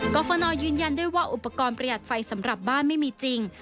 กรฟนยืนยันด้วยว่าอุปกรณ์ประหยัดไฟสำหรับบ้านไม่มีจริง